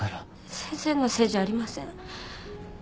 先生のせいじゃありません。